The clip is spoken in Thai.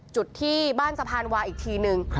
จุดที่บ้านสะพานวาอีกทีนึง